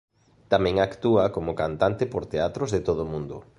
Tamén actúa como cantante por teatros de todo o mundo.